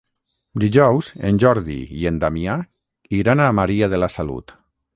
Dijous en Jordi i en Damià iran a Maria de la Salut.